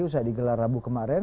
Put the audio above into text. usai digelar rabu kemarin